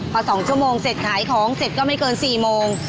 พอ๒ชั่วโมงเสร็จขายของเสร็จก็ไม่เกิน๔โมง